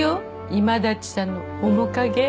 今立さんの面影